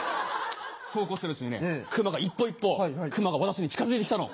そうこうしてるうちにね熊が一歩一歩熊が私に近づいて来たの。